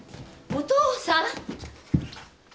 お父さん！